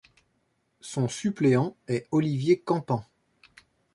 Son suppléant est Olivier Campan.